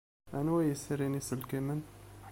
Anwa ay yesrin iselkimen?